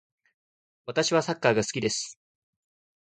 私はサッカーが好きです。